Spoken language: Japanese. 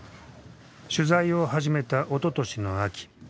取材を始めたおととしの秋。